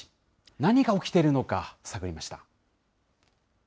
何が起きているのか探りました。